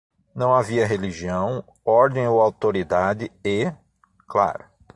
Não havia religião, ordem ou autoridade e... claro!